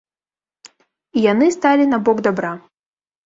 І яны сталі на бок дабра.